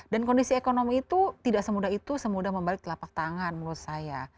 dan kondisi ekonomi itu tidak semudah itu semudah membalik telapak tangan menurut saya